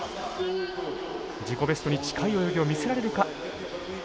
自己ベストに近い泳ぎを見せられるか。